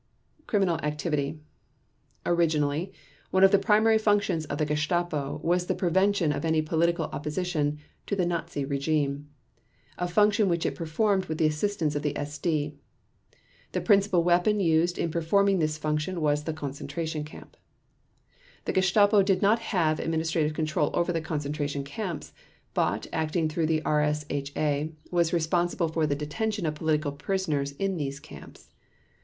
Criminal Activity: Originally, one of the primary functions of the Gestapo was the prevention of any political opposition to the Nazi regime, a function which it performed with the assistance of the SD. The principal weapon used in performing this function was the concentration camp. The Gestapo did not have administrative control over the concentration camps, but, acting through the RSHA, was responsible for the detention of political prisoners in those camps.